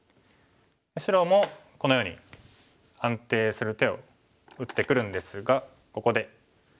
白もこのように安定する手を打ってくるんですがここで。